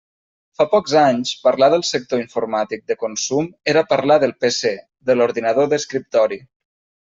Fa pocs anys, parlar del sector informàtic de consum era parlar del PC, de l'ordinador d'escriptori.